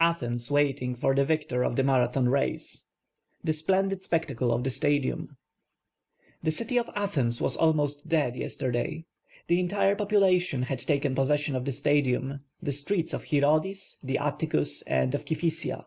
ATHENS W.MTiXc; 1 OR THE VICTOR OF THE iM.VRATHON RACE. The Splendid Spectacle cf the Stadium. The cily of .\tliens was almost dead yesterday. The entire po|)ula!ion had taken possession of the Stadium, the streets of llirodis, the Atticus and of Kifissia.